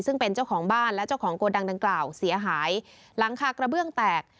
ซึ่งเป็นเจ้าของบ้านและเจ้าของโกดังดังกล่าวเสียหายหลังคากระเบื้องแตก